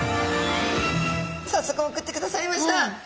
さっそく送ってくださいました。